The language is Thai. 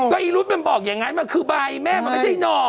ก็อีรุธมันบอกอย่างนั้นมันคือใบแม่มันไม่ใช่หน่อ